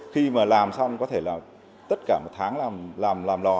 khi mà làm xong có thể là tất cả một tháng làm lò